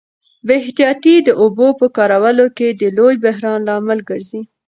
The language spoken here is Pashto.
بې احتیاطي د اوبو په کارولو کي د لوی بحران لامل ګرځي.